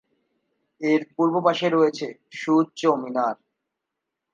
এর পূর্ব পাশে রয়েছে সুউচ্চ মিনার।